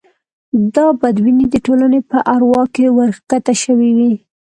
دا بدبینۍ د ټولنې په اروا کې ورکښته شوې وې.